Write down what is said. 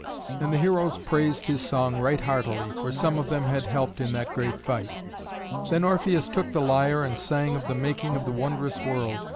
And the heroes praised his song right heartily, for some of them had helped in that great fight. Then Orpheus took the lyre and sang of the making of the wondrous world.